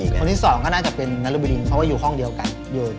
คนที่สองก็น่าจะเป็นนรบิดินเพราะว่าอยู่ห้องเดียวกัน